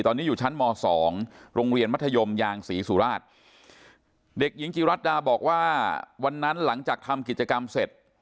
ตอนนี้อยู่ชั้นม๒โรงเรียนมัธยมยางศรีสุราชเด็กหญิงจิรัตดาบอกว่าวันนั้นหลังจากทำกิจกรรมเสร็จ